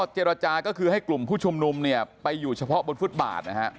เจรจาก็คือให้กลุ่มผู้ชุมนุมเนี่ยไปอยู่เฉพาะบนฟุตบาทนะฮะ